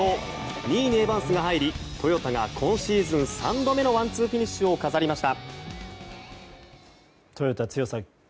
２位にエバンスが入りトヨタが今シーズン３度目のワンツーフィニッシュを飾りました。